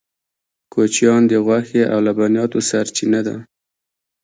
کوچیان د غوښې او لبنیاتو سرچینه ده